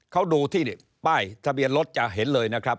เขาดูที่ป้ายทะเบียนรถจะเห็นเลยนะครับ